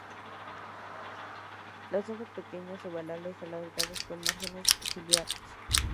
Las hojas pequeñas, ovales, alargadas con márgenes ciliados.